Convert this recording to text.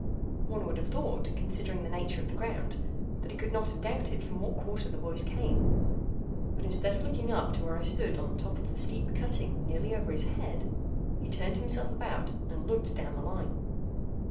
One would have thought, considering the nature of the ground, that he could not have doubted from what quarter the voice came; but instead of looking up to where I stood on the top of the steep cutting nearly over his head, he turned himself about, and looked down the Line.